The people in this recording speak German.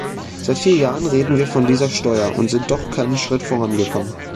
Seit vier Jahren reden wir von dieser Steuer und sind doch keinen Schritt vorangekommen.